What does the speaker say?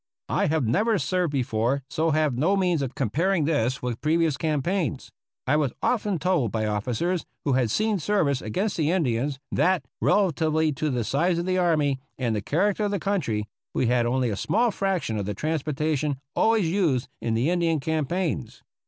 I have never seryed before, so have no means of comparing this with previous campaigns. I was often told by officers who had seen service against the Indians that, relatively to the size of the army, and the character of the country, we had only a small fraction of the transportation always used in the Indian campaigns.